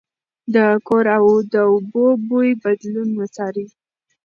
د کور د اوبو بوی بدلون وڅارئ.